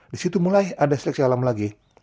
di situ mulai ada seleksi alam lagi